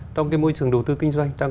trong cái môi trường đầu tư kinh doanh